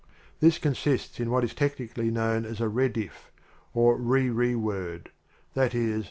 This consists in what is technically known as a redif, or rere word, i.e.